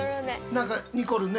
何かにこるんね